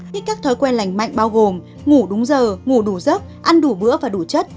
thích các thói quen lành mạnh bao gồm ngủ đúng giờ ngủ đủ giấc ăn đủ bữa và đủ chất